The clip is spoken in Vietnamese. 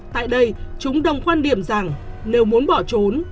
tại đây chúng đồng quan điểm rằng nếu muốn bỏ trốn